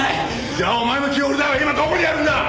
じゃあお前のキーホルダーは今どこにあるんだ？